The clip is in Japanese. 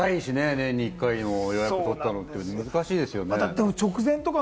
年に１回の予約とってるのって難しいですよね。